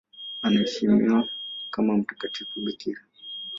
Anaheshimiwa kama mtakatifu bikira.